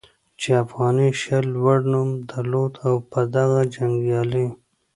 چې افغاني شل لوړ نوم درلود او په دغه جنګیالي